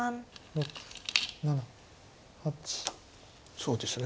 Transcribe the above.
そうですね